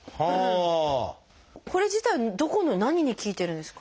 これ自体どこの何に効いてるんですか？